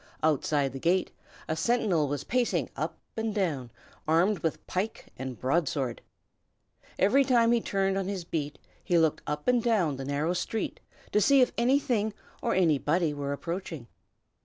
Outside the gate a sentinel was pacing up and down, armed with pike and broadsword. Every time he turned on his beat, he looked up and down the narrow street to see if anything or anybody were approaching.